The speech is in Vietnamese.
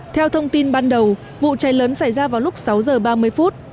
theo thông tin ban đầu vụ cháy lớn xảy ra vào lúc sáu giờ ba mươi phút